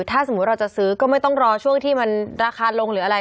ถ้าสมมุติเราจะซื้อก็ไม่ต้องรอช่วงที่มันราคาลงหรืออะไร